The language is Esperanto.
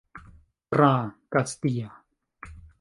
Tra Kastia.